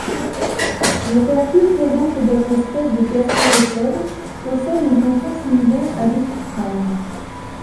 L'opercule présent chez d'autres espèces de gastéropodes possède une fonction similaire à l'épiphragme.